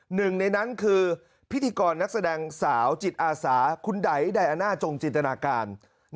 หนึ่งในนั้นคือพิธีกรนักแสดงสาวจิตอาสาคุณไดอาน่าจงจินตนาการ